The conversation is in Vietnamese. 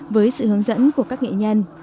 với sự hướng dẫn của các nghệ nhân